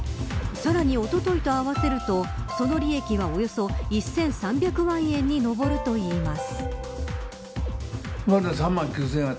さらに、おとといと合わせるとその利益は、およそ１３００万円に上るといいます。